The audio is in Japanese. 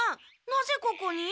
なぜここに？